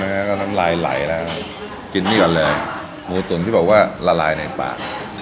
ตั๋นนะฮะแล้วก็น้ำลายไหล่นะฮะกินนี่กันเลยหมูตุ๋นที่บอกว่าละลายในปลา